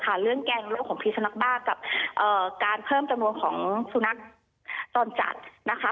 เรื่องแกงโรคของพิสุนักบ้ากับการเพิ่มจำนวนของสุนัขจรจัดนะคะ